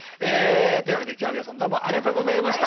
というわけで今日は皆さんどうもありがとうございました！